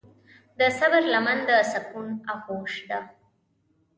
د صبر لمن د سکون آغوش ده.